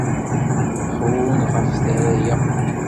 Ḥunn ɣef tara-a.